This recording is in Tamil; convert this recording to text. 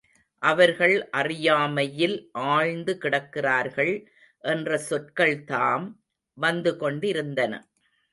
அவர்கள் அறியாமையில் ஆழ்ந்து கிடக்கிறார்கள் என்ற சொற்கள்தாம் வந்து கொண்டிருந்தன.